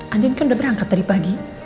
andin kan udah berangkat tadi pagi